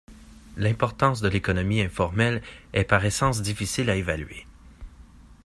L'importance de l'économie informelle est par essence difficile à évaluer.